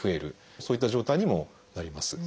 そういった状態にもなります。